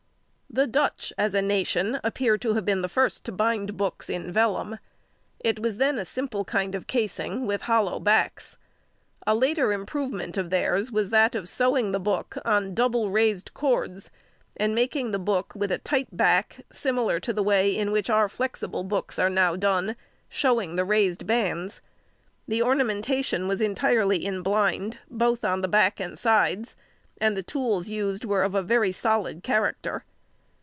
_—The Dutch, as a nation, appear to have been the first to bind books in vellum. It was then a simple kind of casing, with hollow backs. A later improvement of theirs was that of sewing the book on double raised cords, and making the book with a tight back, similar to the way in which our flexible books are now done, showing the raised bands. The ornamentation was entirely in blind, both on the back and sides, and the tools used were of a very solid character.